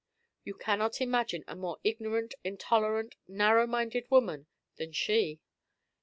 You cannot imagine a more ignorant, intolerant, narrow minded woman than she.